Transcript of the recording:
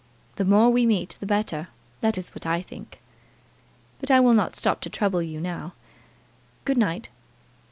The more we meet the better, that is what I think. But I will not stop to trouble you now. Good night!"